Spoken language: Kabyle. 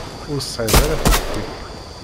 Ur tesɛiḍ ara tikti.